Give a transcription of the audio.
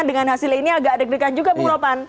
dengan hasil ini agak deg degan juga bung ropan